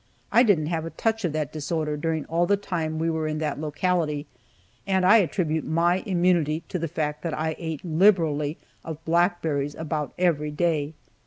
I didn't have a touch of that disorder during all the time we were in that locality, and I attribute my immunity to the fact that I ate liberally of blackberries about every day.